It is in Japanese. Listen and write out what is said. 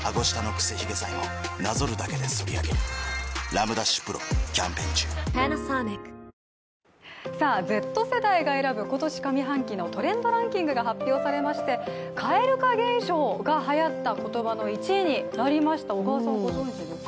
丕劭蓮キャンペーン中Ｚ世代が選ぶ今年上半期のトレンドランキングが発表されまして、蛙化現象がはやった言葉の１位になりました、小川さんご存じです？